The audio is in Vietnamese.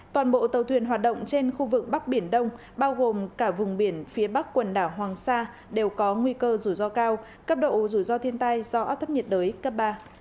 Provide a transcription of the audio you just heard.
toàn bộ tàu thuyền hoạt động trên khu vực bắc biển đông bao gồm cả vùng biển phía bắc quần đảo hoàng sa đều có nguy cơ rủi ro cao cấp độ rủi ro thiên tai do áp thấp nhiệt đới cấp ba